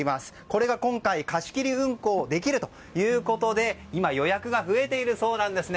これが今回、貸し切り運行できるということで今、予約が増えているそうです。